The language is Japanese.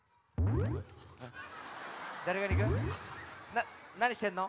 ななにしてんの？